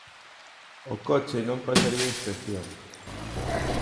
O coche non pasaría a inspección.